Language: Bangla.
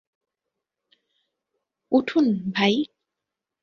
উঠুন, ভাই।